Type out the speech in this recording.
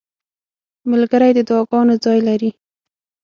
ملګری د دعاګانو ځای لري.